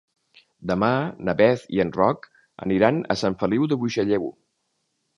Demà na Beth i en Roc aniran a Sant Feliu de Buixalleu.